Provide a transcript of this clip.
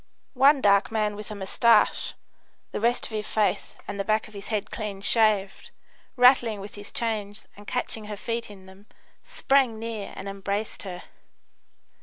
One dark man with a moustache, the rest of his face and the back of his head clean shaved, rattling with his chains and catching her feet in them, sprang near and embraced her.